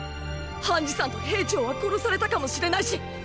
⁉ハンジさんと兵長は殺されたかもしれないし！！